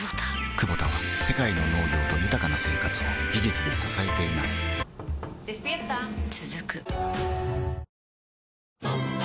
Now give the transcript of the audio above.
クボタは世界の農業と豊かな生活を技術で支えています起きて。